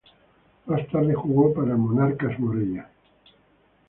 Más tarde jugó para Monarcas Morelia.